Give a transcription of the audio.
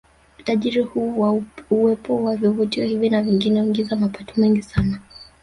Utajiri huu wa uwepo wa vivutio hivi na vingine huingiza mapato mengi sana